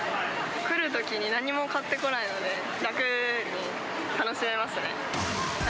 来るときに何も買ってこないので、楽で楽しめますね。